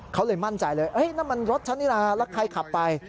เขาเลยมั่นใจเลยนั่นมันรถฉันนี่นะแล้วใครขับไป